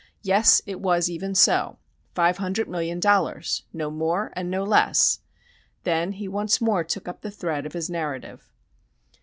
Yes, it was even so! Five hundred million dollars! No more and no less! Then he once more took up the thread of his narrative.